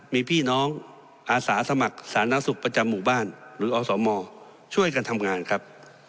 มีพี่น้องอาสาสมัครสาธารณสุขประจำหมู่บ้านหรืออสมช่วยกันทำงานครับ